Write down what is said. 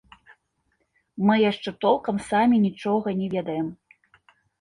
Мы яшчэ толкам самі нічога не ведаем.